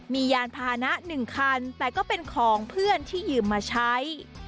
มียานพานะ๑คันแต่ก็เป็นของเพื่อนที่ยืมมาใช้